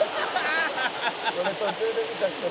「これ途中で見た人」